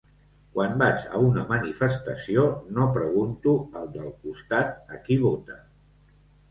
Quan vaig a una manifestació no pregunto al del costat a qui vota.